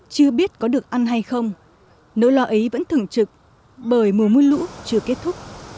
chưa biết có được ăn hay không nỗi lo ấy vẫn thường trực bởi mùa mưa lũ chưa kết thúc